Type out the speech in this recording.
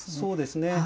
そうですね。